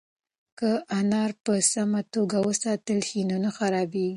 که انار په سمه توګه وساتل شي نو نه خرابیږي.